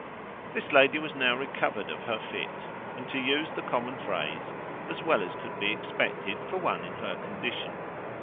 This lady was now recovered of her fit, and, to use the common phrase, as well as could be expected for one in her condition.